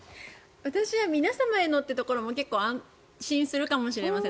私は皆様へのというところが結構安心するかもしれません。